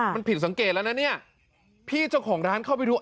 มันผิดสังเกตแล้วนะเนี่ยพี่เจ้าของร้านเข้าไปดู